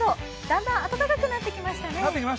だんだん暖かくなってきましたね。